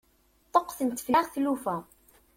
Ṭṭuqqtent fell-aɣ tlufa.